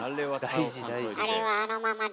はい。